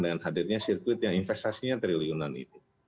dengan hadirnya sirkuit yang investasinya triliunan itu